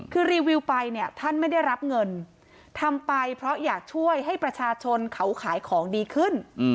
คือรีวิวไปเนี่ยท่านไม่ได้รับเงินทำไปเพราะอยากช่วยให้ประชาชนเขาขายของดีขึ้น